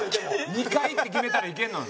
２回って決めたらいけるの？